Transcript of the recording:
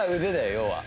要は。